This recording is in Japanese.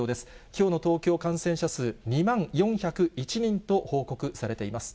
きょうの東京、感染者数、２万４０１人と報告されています。